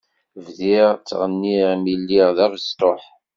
Bdiɣ ttɣenniɣ mi lliɣ d abestuḥ.